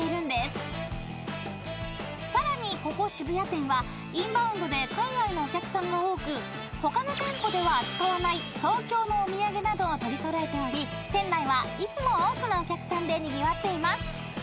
［さらにここ渋谷店はインバウンドで海外のお客さんが多く他の店舗では扱わない東京のお土産などを取り揃えており店内はいつも多くのお客さんでにぎわっています］